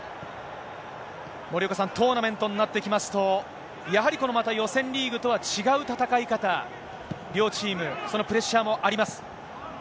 森岡さん、トーナメントになってきますと、やはりこのまた予選リーグとは違う戦い方、両チーム、そのプレッシャーもあります。